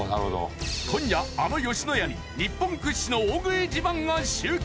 今夜あの野家に日本屈指の大食い自慢が集結！